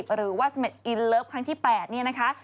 หรือว่าเสม็ดอินเลิฟครั้งที่๘นี่นะคะ